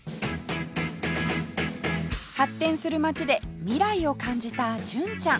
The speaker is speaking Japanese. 発展する街で未来を感じた純ちゃん